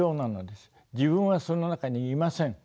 自分はその中にいません。